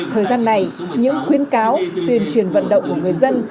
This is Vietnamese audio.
thời gian này những khuyến cáo tuyên truyền vận động của người dân